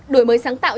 đổi mới sáng tạo